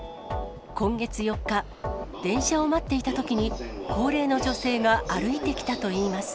今月４日、電車を待っていたときに、高齢の女性が歩いてきたといいます。